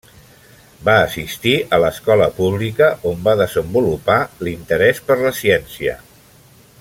Va assistir a l'escola pública, on va desenvolupar l'interès per la ciència.